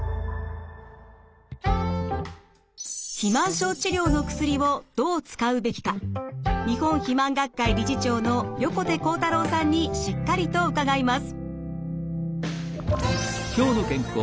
肥満症治療の薬をどう使うべきか日本肥満学会理事長の横手幸太郎さんにしっかりと伺います。